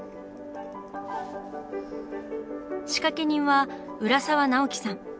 仕掛け人は浦沢直樹さん。